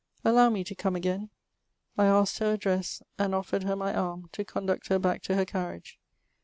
Allow me to come again." I asked her address, and offered her my arm, to conduct her back to her carriage.